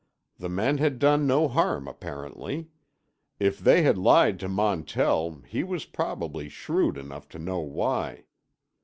The men had done no harm apparently. If they had lied to Montell he was probably shrewd enough to know why.